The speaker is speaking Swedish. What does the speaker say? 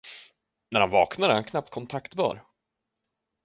När han vaknar är han knappt kontaktbar.